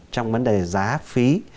trong vấn đề giá phí